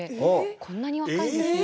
こんなに若いんですね。